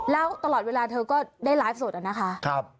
แล้วตลอดเวลาเธอก็ได้ไลฟ์สดอะนะคะ